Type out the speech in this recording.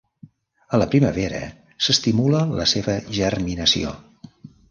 A la primavera s'estimula la seva germinació.